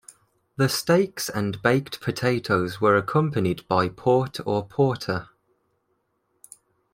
The steaks and baked potatoes were accompanied by port or porter.